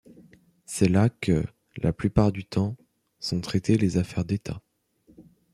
C'est là que, la plupart du temps, sont traitées les affaires d'État.